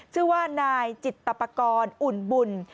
ชื่อว่านายจิตปกรณ์อุ่นบุญ